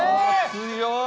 強い！